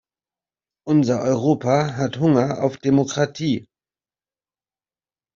Unser Europa hat Hunger auf Demokratie.